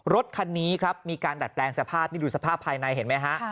รถคันนี้ครับมีการดัดแปลงสภาพนี่ดูสภาพภายในเห็นไหมฮะ